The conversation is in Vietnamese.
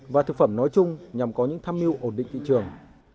và thực phẩm nói chung nhằm có những tham mưu ổn định thị trường